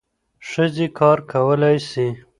ښځې کار کولای سي.